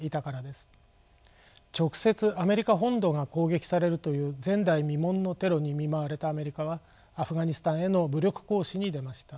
直接アメリカ本土が攻撃されるという前代未聞のテロに見舞われたアメリカはアフガニスタンへの武力行使に出ました。